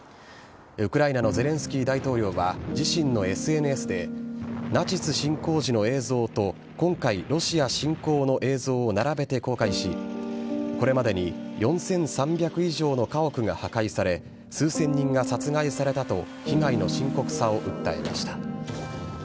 ウクライナのゼレンスキー大統領は自身のＳＮＳでナチス侵攻時の映像と今回、ロシア侵攻の映像を並べて公開しこれまでに４３００以上の家屋が破壊され数千人が殺害されたと被害の深刻さを訴えました。